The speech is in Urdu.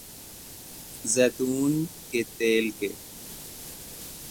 زیتون کے تیل کے